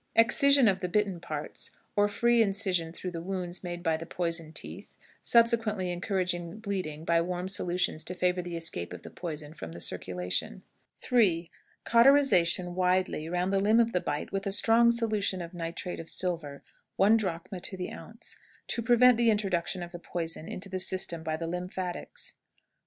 Excision of the bitten parts, or free incision through the wounds made by the poison teeth, subsequently encouraging the bleeding by warm solutions to favor the escape of the poison from the circulation. 3. Cauterization widely round the limb of the bite with a strong solution of nitrate of silver, one drachm to the ounce, to prevent the introduction of the poison into the system by the lymphatics.